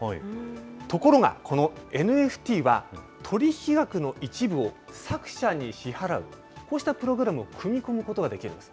ところが、このＮＦＴは、取引額の一部を作者に支払う、こうしたプログラムを組み込むことができるんです。